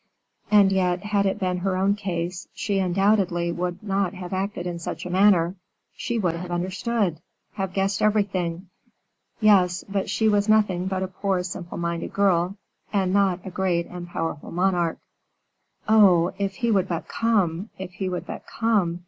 And yet, had it been her own case, she undoubtedly would not have acted in such a manner; she would have understood have guessed everything. Yes, but she was nothing but a poor simple minded girl, and not a great and powerful monarch. Oh! if he would but come, if he would but come!